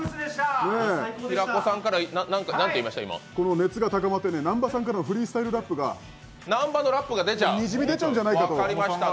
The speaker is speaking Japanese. この熱が高まって、南波さんのフリースタイルラップがにじみ出ちゃうんじゃないかと。